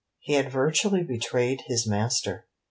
He had virtually betrayed his master.